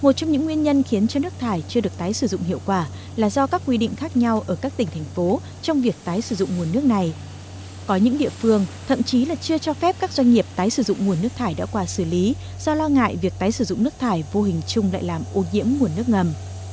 tuy nhiên nguyên nhân chủ yếu vẫn là do người dân và doanh nghiệp chưa ý thức được sự khan hiếm nguồn nước thải vô hình chung lại làm ô nhiễm nguồn nước ngầm